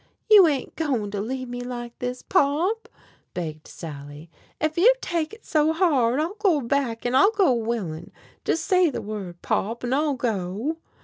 "You ain't goin' to leave me like this, Pop?" begged Sally. "Ef you take it so hard, I'll go back, an' I'll go willin'. Jus' say the word, Pop, an' I'll go!"